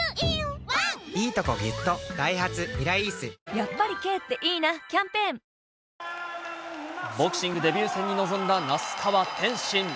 やっぱり軽っていいなキャンペーンボクシングデビュー戦に臨んだ、那須川天心。